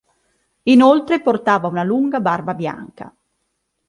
Inoltre portava una lunga barba bianca.